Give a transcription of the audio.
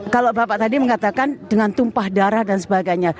kalau bapak tadi mengatakan dengan tumpah darah dan sebagainya